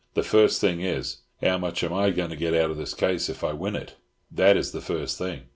"The first thing is, how much am I going to get out of this case if I win it? That is the first thing.